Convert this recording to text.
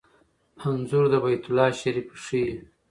انځور د بیت الله شریف ښيي.